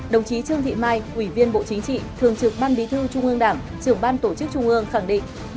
đồng chí trương thị mai ủy viên bộ chính trị thường trực ban bí thư trung ương đảng trưởng ban tổ chức trung ương khẳng định